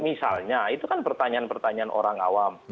misalnya itu kan pertanyaan pertanyaan orang awam